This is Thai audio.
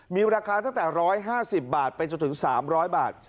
มีราคาตั้งแต่๑๕๐บาทไปจนถึง๓๐๐บาท